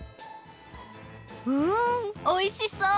うんおいしそう！